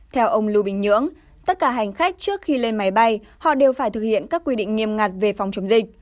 theo ông lưu bình nhưỡng tất cả hành khách trước khi lên máy bay họ đều phải thực hiện các quy định nghiêm ngặt về phòng chống dịch